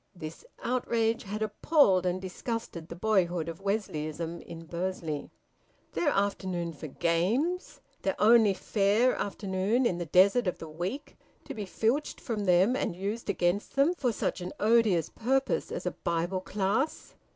This outrage had appalled and disgusted the boyhood of Wesleyanism in Bursley. Their afternoon for games, their only fair afternoon in the desert of the week, to be filched from them and used against them for such an odious purpose as a Bible class!